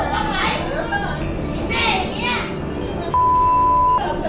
กมาต้องรหัสมา